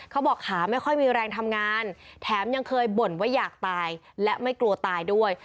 ขาไม่ค่อยมีแรงทำงานแถมยังเคยบ่นว่าอยากตายและไม่กลัวตายด้วย